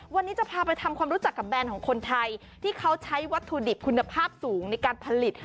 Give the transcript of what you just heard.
วันนี้จะพาไปทำความรู้จักกับแบรนด์ของคนไทยที่เขาใช้วัตถุดิบคุณภาพสูงในการผลิต